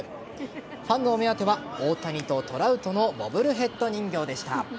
ファンのお目当ては大谷とトラウトのボブルヘッド人形でした。